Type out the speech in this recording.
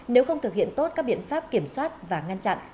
nếu không thực hiện tốt các biện pháp kiểm soát và ngăn chặn